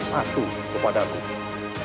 satu kepada tuhan